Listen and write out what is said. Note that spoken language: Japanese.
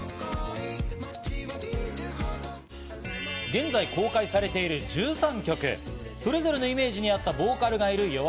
現在公開されている１３曲、それぞれのイメージに合ったボーカルがいるＹＯＡＫＥ。